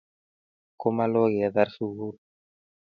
Komalo ketar sugul.